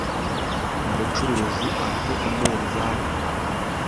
umucuruzi a te umunzani